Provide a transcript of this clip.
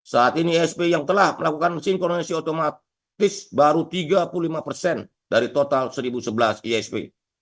saat ini isp yang telah melakukan sinkronisasi otomatis baru tiga puluh lima persen dari total seribu sebelas isp